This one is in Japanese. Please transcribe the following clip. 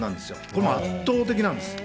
これは圧倒的なんです。